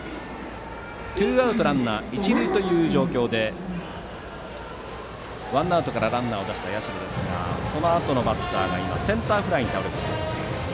ツーアウトランナー一塁の状況でワンアウトからランナーを出した社ですがそのあとのバッターがセンターフライに倒れたところです。